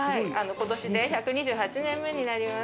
今年で１２８年目になります。